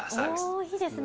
おいいですね